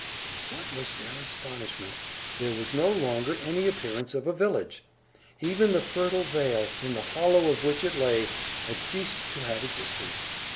But what was their astonishment! There was no longer any appearance of a village! Even the fertile vale, in the hollow of which it lay, had ceased to have existence.